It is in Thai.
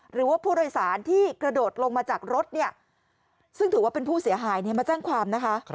หรือว่าผู้โดยสารที่กระโดดลงมาจากรถเนี่ยซึ่งถือว่าเป็นผู้เสียหายมาแจ้งความนะคะ